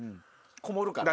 こもるからな。